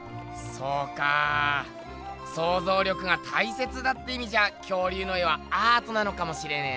そうかぁそうぞう力がたいせつだっていみじゃあ恐竜の絵はアートなのかもしれねえな。